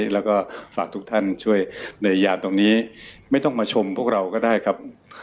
แล้วก็ฝากทุกท่านช่วยในยามตรงนี้ไม่ต้องมาชมพวกเราก็ได้ครับ